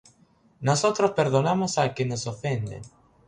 nosotros perdonamos a los que nos ofenden;